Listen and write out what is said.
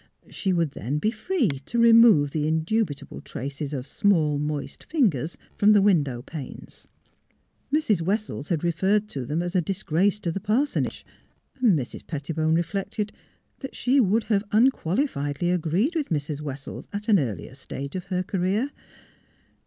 She would then be free to remove the indubitable traces of small moist fingers from the window panes. Mrs. Wessels had referred to them as a disgrace to the parsonage. Mrs. Pet tibone reflected that she would have unqualifiedly agreed with Mrs. Wessels at an earlier stage of her career.